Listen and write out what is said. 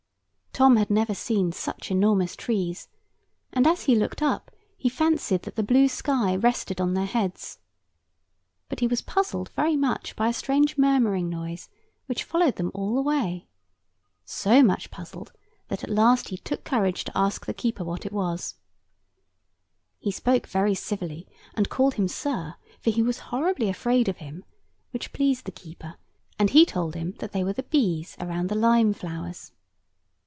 Tom had never seen such enormous trees, and as he looked up he fancied that the blue sky rested on their heads. But he was puzzled very much by a strange murmuring noise, which followed them all the way. So much puzzled, that at last he took courage to ask the keeper what it was. [Picture: The keeper and Grimes] He spoke very civilly, and called him Sir, for he was horribly afraid of him, which pleased the keeper, and he told him that they were the bees about the lime flowers.